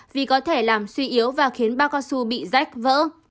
vì có thể làm suy yếu và khiến ba cao su bị rách vỡ